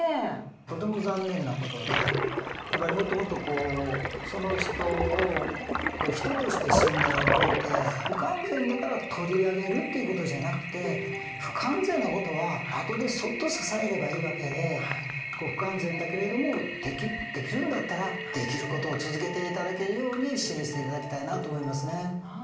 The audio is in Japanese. とても残念な事でやっぱりもっともっとその人を人として信頼を置いて不完全だから取り上げるっていう事じゃなくて不完全な事は後でそっと支えればいい訳で不完全だけれどもできるんだったらできる事を続けて頂けるように支援して頂きたいなと思いますね。